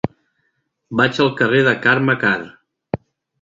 Vaig al carrer de Carme Karr.